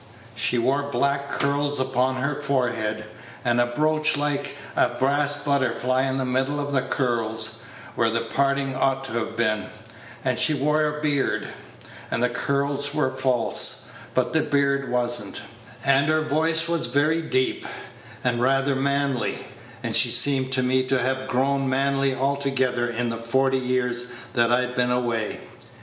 She wore black curls upon her forehead, and a brooch like a brass butterfly in the middle of the curls, where the parting ought to have been; and she wore a beard; and the curls were false, but the beard was n't; and her voice was very deep, and rather manly, and she seemed to me to have grown manly altogether in the forty years that I'd been away.